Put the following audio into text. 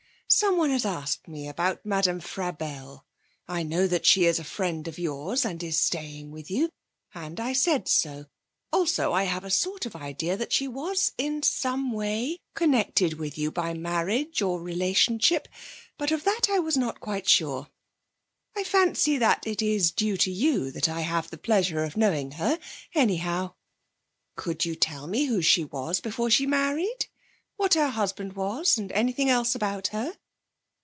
Someone has asked me about Madame Frabelle. I know that she is a friend of yours, and is staying with you, and I said so; also I have a sort of idea that she was, in some way, connected with you by marriage or relationship, but of that I was not quite sure. I fancy that it is due to you that I have the pleasure of knowing her, anyhow. 'Could you tell me who she was before she married? What her husband was, and anything else about her?